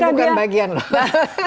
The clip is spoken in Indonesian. kalau itu bukan bagian lho